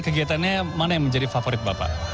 kegiatannya mana yang menjadi favorit bapak